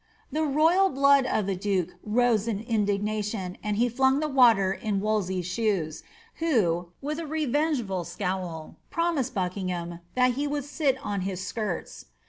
The royal blood of the duke rose in indignation, and he flung the water in Wols^'s shoes, who, with a revengeful scowl, promised Buckingham ^ that he would sit on his skirts.''